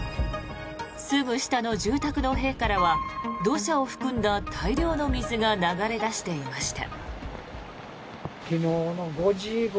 すぐ下の住宅の塀からは土砂を含んだ大量の水が流れ出していました。